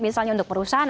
misalnya untuk perusahaan